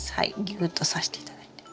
ギューッとさして頂いて。